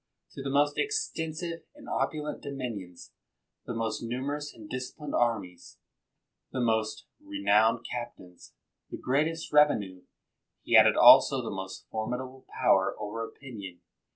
To the most extensive and opulent dominions, the most numerous and disciplined armies, the most re nowned captains, the greatest revenue, he added also the most formidable power over opinion.